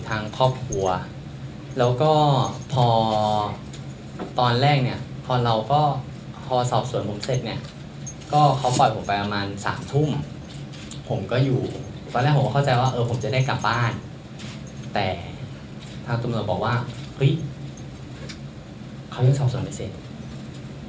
ทางครอบครัวแล้วก็พอตอนแรกเนี่ยพอเราก็พอสอบส่วนผมเสร็จเนี่ยก็เขาปล่อยผมไปประมาณสามทุ่มผมก็อยู่ตอนแรกผมก็เข้าใจว่าเออผมจะได้กลับบ้านแต่ทางตำรวจบอกว่าเฮ้ยเขายังสอบส่วนไม่เสร็จ